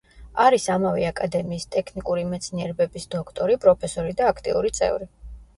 არის ამავე აკადემიის ტექნიკური მეცნიერებების დოქტორი, პროფესორი და აქტიური წევრი.